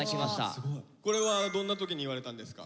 これはどんな時に言われたんですか？